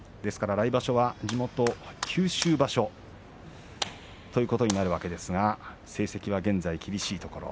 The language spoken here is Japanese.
来場所は地元九州場所ということになるわけですが成績は現在厳しいところ。